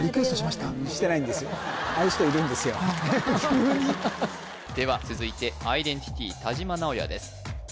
してないんですああいう人いるんですよでは続いてアイデンティティ田島直弥です